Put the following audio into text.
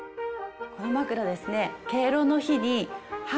この枕ですね。